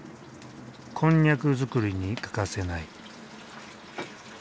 こんにゃく作りに欠かせない。